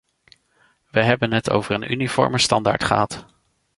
We hebben het over een uniforme standaard gehad.